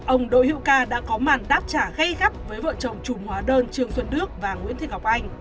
ông đội hiệu k đã có màn đáp trả gây gắt với vợ chồng chủng hóa đơn trương xuân đức và nguyễn thị ngọc anh